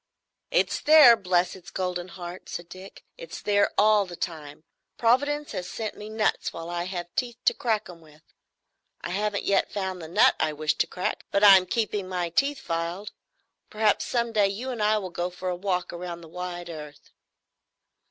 "It's there, bless its golden heart," said Dick. "It's there all the time. Providence has sent me nuts while I have teeth to crack 'em with. I haven't yet found the nut I wish to crack, but I'm keeping my teeth filed. Perhaps some day you and I will go for a walk round the wide earth."